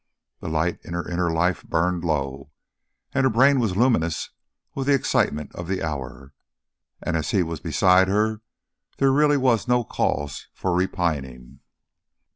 The light in her inner life burned low, and her brain was luminous with the excitement of the hour. And as he was beside her, there really was no cause for repining.